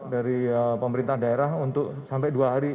dari pemerintah daerah untuk sampai dua hari